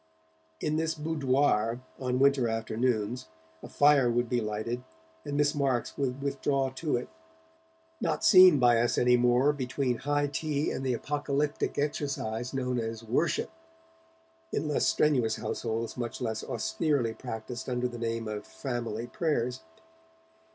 In this 'boudoir', on winter afternoons, a fire would be lighted, and Miss Marks would withdraw to it, not seen by us anymore between high tea and the apocalyptic exercise known as 'worship' in less strenuous households much less austerely practised under the name of 'family prayers'.